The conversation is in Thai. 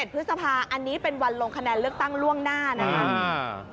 พฤษภาอันนี้เป็นวันลงคะแนนเลือกตั้งล่วงหน้านะครับ